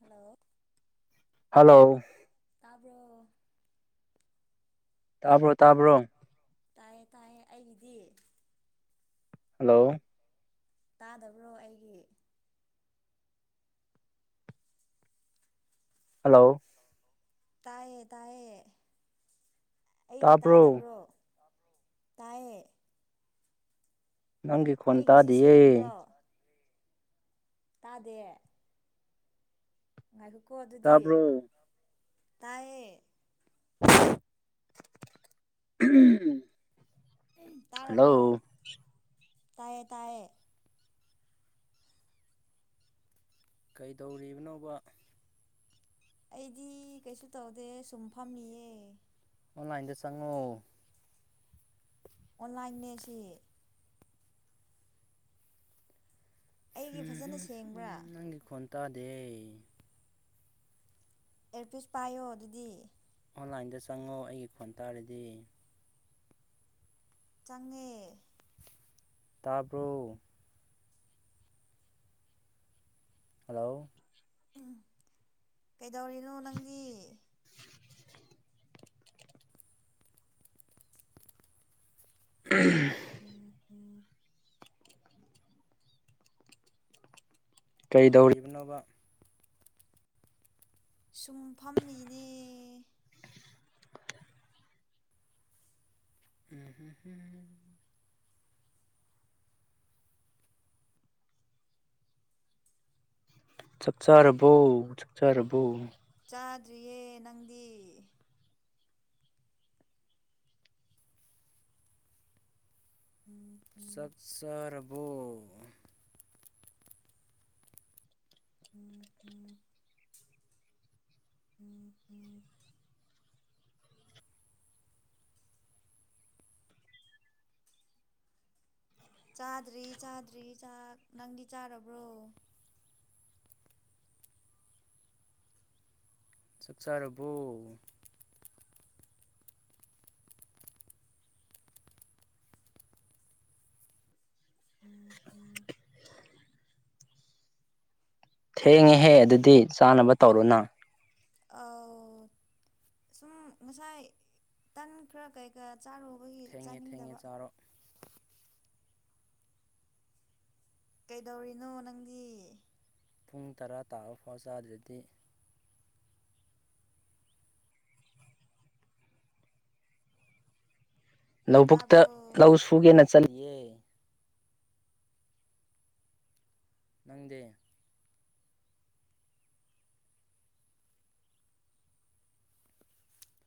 hello hello ꯇꯥꯕ꯭ꯔ‌ꯣ ꯇꯥꯕ꯭ꯔꯣ ꯇꯥꯕ꯭ꯔꯣ ꯇꯥꯏꯌꯦ ꯇꯥꯏꯌꯦ ꯑꯩꯒꯤꯗꯤ ꯍꯜꯂꯣ ꯇꯥꯗꯕ꯭ꯔꯣ ꯑꯩꯒꯤ ꯍꯜꯂꯣ ꯇꯥꯏꯌꯦ ꯇꯥꯏꯌꯦ ꯑꯩꯒꯤ ꯇꯥꯕ꯭ꯔꯣ ꯇꯥꯗꯕ꯭ꯔꯣ ꯇꯥꯏꯌꯦ ꯅꯪꯒꯤ ꯈꯣꯟ ꯑꯩꯒꯤꯁꯤ ꯇꯥꯗꯤꯌꯦ ꯁꯦꯡꯕ꯭ꯔꯣ ꯇꯥꯗꯦ ꯉꯥꯏꯈꯣꯀꯣ ꯑꯗꯨꯗꯤ ꯇꯥꯕ꯭ꯔꯣ ꯇꯥꯏꯌꯦ ꯎꯝ ꯎꯝ ꯇꯥꯔꯕ꯭ꯔꯣ ꯇꯥꯏꯌꯦ ꯇꯥꯏꯌꯦ ꯀꯩꯗꯧꯔꯤꯕꯅꯣꯕ ꯑꯩꯗꯤ ꯀꯩꯁꯨ ꯇꯧꯗꯦ ꯁꯨꯝ ꯐꯝꯃꯤꯌꯦ ꯑꯣꯟꯂꯥꯏꯟꯗ ꯆꯪꯉꯣ ꯑꯣꯟꯂꯥꯏꯟꯅꯦ ꯁꯤ ꯑꯩꯒꯤ ꯐꯖꯅ ꯁꯦꯡꯕ꯭ꯔꯥ ꯅꯪꯒꯤ ꯈꯣꯟ ꯇꯥꯗꯦ ꯑꯦꯌꯔꯄꯤꯁ ꯄꯥꯏꯌꯣ ꯑꯗꯨꯗꯤ ꯑꯣꯟꯂꯥꯏꯟꯗ ꯆꯪꯉꯣ ꯑꯩꯒꯤ ꯈ‌ꯣꯟ ꯇꯥꯔꯗꯤ ꯆꯪꯉꯦ ꯇꯥꯔꯕꯣ ꯍꯜꯂꯣ ꯎꯝ ꯀꯩꯗꯧꯔꯤꯅꯣ ꯅꯪꯗꯤ ꯎꯝ ꯎꯝ ꯎꯝ ꯀꯩꯗꯧꯔꯤꯅꯣꯕ ꯁꯨꯝ ꯐꯝꯃꯤꯅꯦ [inaudible] ꯆꯥꯛ ꯆꯥꯔꯕꯣ ꯆꯥꯛ ꯆꯥꯔꯕꯣ ꯆꯥꯗ꯭ꯔꯤꯌꯦ ꯅꯪꯗꯤ ꯎꯝ ꯆꯥꯛ ꯆꯥꯔꯕꫭ [inaudible] ꯎ [inaudible] ꯆꯥꯗ꯭ꯔꯤ ꯆꯥꯗ꯭ꯔꯤ ꯆꯥꯛ ꯅꯪꯗꯤ ꯆꯥꯔꯕ꯭ꯔꯣ ꯆꯥꯛ ꯆꯥꯔꯕꯣ [inaudible] ꯊꯦꯡꯉꯦꯍꯦ ꯑꯗꯨꯗꯤ ꯆꯥꯅꯕ ꯇꯧꯔꫭꯅ ꯑꯧ ꯁꯨꯝ ꯉꯁꯥꯏ ꯇꯟ ꯈꯔ ꯀꯩ ꯀꯌꯥ ꯆꯥꯔꯨꯕꯒꯤ ꯊꯦꯡꯉꯦ ꯊꯦꯡꯉꯦ ꯆꯥꯅꯤꯡꯗꯕ ꯆꯥꯔꯣ ꯀꯩꯗꯧꯔꯤꯅꯣ ꯅꯪꯗꯤ ꯄꯨꯡ ꯇꯔꯥ ꯇꯥꯔꯐꯥꯎ ꯆꯥꯗꯔꯗꯤ ꯂꯧꯕꯨꯛꯇ ꯇꯥꯕ꯭ꯔꯣ ꯂꯧ ꯁꯨꯒꯦꯅ ꯆꯠꯂꯤꯌꯦ ꯅꯪꯗꯤ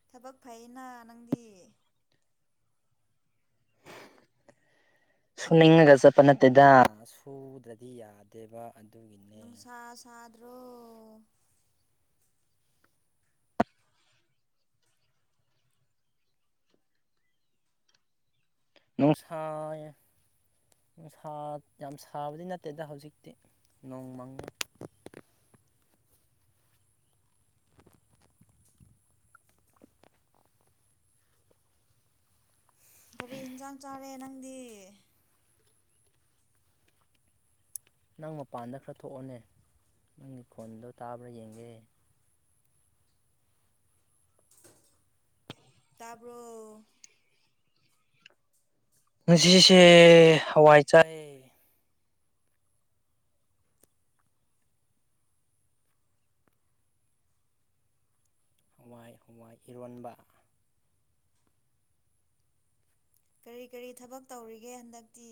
ꯊꯕꯛ ꯐꯩꯅ ꯅꯪꯗꯤ ꯁꯨꯅꯤꯡꯉꯒ ꯆꯠꯄ ꯅꯠꯇꯦꯗ ꯁꯨꯗ꯭ꯔꯗꯤ ꯌꯥꯗꯦꯕ ꯑꯗꯨꯒꯤꯅꯤ ꯅꯨꯡꯁꯥ ꯁꯥꯗ꯭ꯔꯣ ꯅꯨꯡꯁꯥꯏ ꯅꯨꯡ ꯁꯥ ꯌꯥꯝ ꯁꯥꯕꯗꯤ ꯅꯠꯇꯦꯗ ꯍꯧꯖꯤꯛꯇꯤ ꯅꯣꯡ ꯃꯪꯉꯦ [inaudible] ꯀꯔꯤ ꯏꯟꯁꯥꯡ ꯆꯥꯔꯦ ꯅꯪꯗꯤ ꯅꯪ ꯃꯄꯥꯟꯗ ꯈꯔ ꯊꯣꯛꯑꫭꯅꯦ ꯅꯪꯒꯤ ꯈꫭꯟꯗꯣ ꯇꯥꯕ꯭ꯔꯥ ꯌꯦꯡꯒꯦ ꯇꯥꯕꯔꫭ ꯉꯁꯤꯁꯦ ꯍꯋꯥꯏ ꯆꯥꯌꯦ ꯍꯨꯋꯥꯏ ꯍꯨꯋꯥꯏ ꯏꯔꯣꯟꯕ ꯀꯔꯤ ꯀꯔꯤ ꯊꯕꯛ ꯇꯧꯔꯤꯒꯦ ꯍꯟꯗꯛꯇꯤ